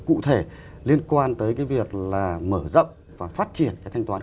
cụ thể liên quan tới cái việc là mở rộng và phát triển cái thanh toán